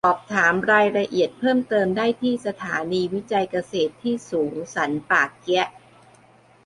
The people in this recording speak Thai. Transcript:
สอบถามรายละเอียดเพิ่มเติมได้ที่สถานีวิจัยเกษตรที่สูงสันป่าเกี๊ยะ